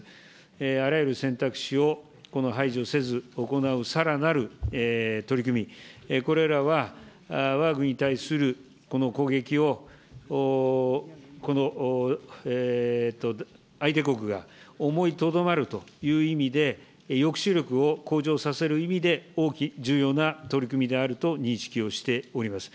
あらゆる選択肢を排除せず行うさらなる取り組み、これらはわが国に対する攻撃を、この、相手国が思いとどまるという意味で、抑止力を向上させる意味で、重要な取り組みであると認識をしております。